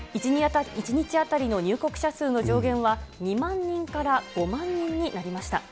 １日当たりの入国者数の上限は２万人から５万人になりました。